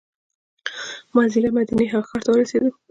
مازدیګر مدینې هغه ښار ته ورسېدو.